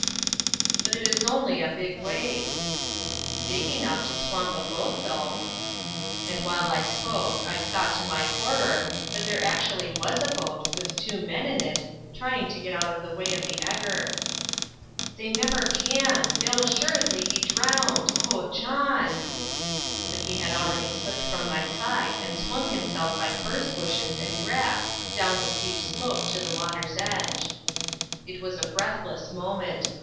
"But it is only a big wave." "Big enough to swamp a boat, though." And while I spoke I saw, to my horror, that there actually was a boat, with two men in it, trying to get out of the way of the eger. "They never can! they'll assuredly be drowned! O John!" But he had already slipped from my side and swung himself by furze bushes and grass down the steep slope to the water's edge. It was a breathless moment.